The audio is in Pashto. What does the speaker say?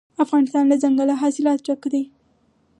افغانستان له دځنګل حاصلات ډک دی.